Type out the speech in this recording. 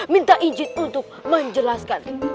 minta ijit untuk menjelaskan